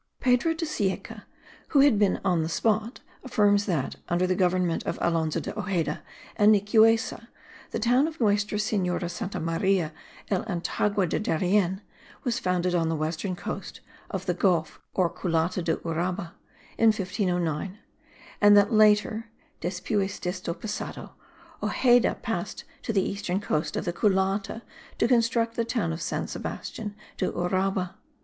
Pedro de Cieca, who had been on the spot, affirms that, under the government of Alonzo de Ojeda and Nicuessa, the town of Nuestra Senora Santa Maria el Antigua del Darien was founded on the western coast of the Gulf or Culata de Uraba, in 1509; and that later (despues desto passado) Ojeda passed to the eastern coast of the Culata to construct the town of San Sebastian de Uraba.